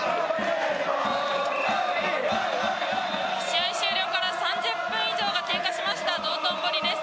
試合終了から３０分以上が経過しました道頓堀です。